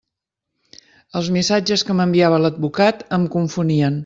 Els missatges que m'enviava l'advocat em confonien.